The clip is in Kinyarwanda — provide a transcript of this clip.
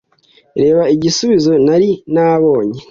reba igisubizo nari nabonye,